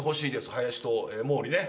林と毛利ね。